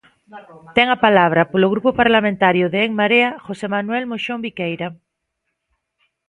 Ten a palabra, polo Grupo Parlamentario de En Marea, José Samuel Moxón Biqueira.